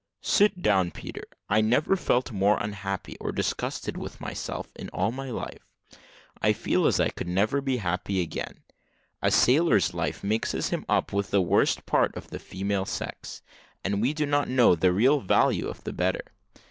"Sit down, Peter. I never felt more unhappy, or more disgusted with myself in all my life. I feel as if I never could be happy again. A sailor's life mixes him up with the worst part of the female sex, and we do not know the real value of the better.